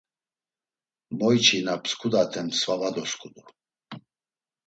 Moyçi na psǩudaten sva va dosǩudu.